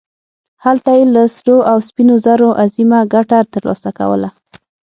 هلته یې له سرو او سپینو زرو عظیمه ګټه ترلاسه کوله.